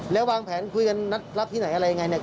แล้ววางแผนคุยกันนัดรับที่ไหนอะไรอย่างไร